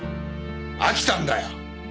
飽きたんだよ！